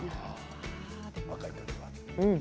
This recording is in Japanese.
若い時は。